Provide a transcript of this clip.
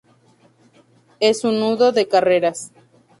Es un nudo de carreteras.